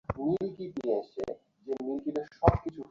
আর মুহাররম মাসের আশুরা দিবসে তারা নৌকা থেকে বেরিয়ে আসেন।